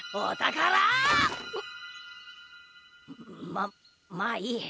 ままあいい。